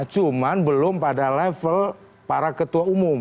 cuma belum pada level para ketua umum